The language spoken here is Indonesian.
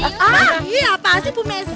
iya apaan sih bu messi